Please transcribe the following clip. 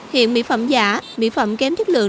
hiện mỹ phẩm giả mỹ phẩm kém chất lượng